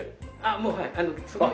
もうはい。